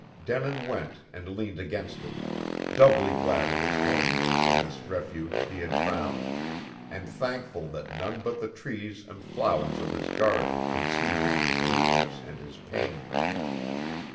Denin went and leaned against it; doubly glad of his loneliness in this refuge he had found, and thankful that none but the trees and flowers of his garden could see him in his weakness and his pain.